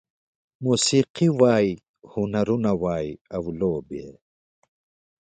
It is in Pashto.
موسيقي وای، هنرونه وای او لوبې